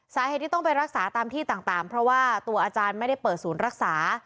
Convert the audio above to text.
สาเหตุที่ต้องไปรักษาตามที่ต่างเพราะว่าตัวอาจารย์ไม่ได้เปิดศูนย์รักษา